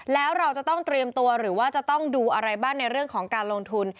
แล้วเราจะต้องเตรียมตัวหรือว่าจะต้องดูอะไรบ้างในเรื่องของการลงทุน